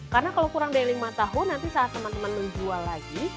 karena kalau kurang dari lima tahun nanti saat teman teman menjual lagi